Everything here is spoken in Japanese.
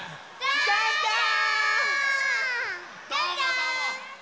えジャンジャン？